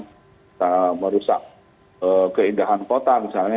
kita merusak keindahan kota misalnya